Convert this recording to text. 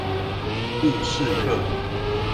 故事課